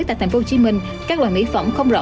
tại tp hcm các loài mỹ phẩm không rõ